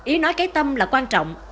ý nói cái tâm là quan trọng